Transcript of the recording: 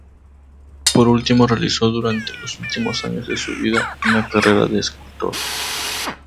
Por último realizó durante los últimos años de su vida una carrera de escultor.